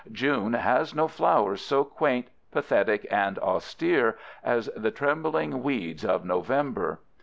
June has no flowers so quaint, pathetic, and austere as the trembling weeds of November.